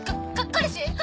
彼氏！？